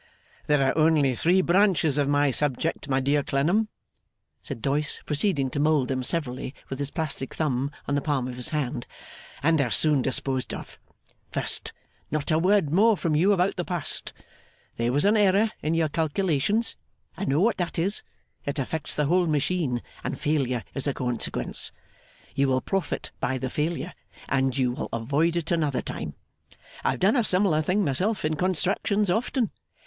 'There are only three branches of my subject, my dear Clennam,' said Doyce, proceeding to mould them severally, with his plastic thumb, on the palm of his hand, 'and they're soon disposed of. First, not a word more from you about the past. There was an error in your calculations. I know what that is. It affects the whole machine, and failure is the consequence. You will profit by the failure, and will avoid it another time. I have done a similar thing myself, in construction, often.